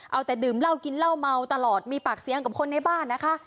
เอาแต่ดื่มเหล้ากินเหล้าเมาตลอดมีปากเสียงกับคนในบ้านนะคะ